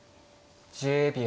１０秒。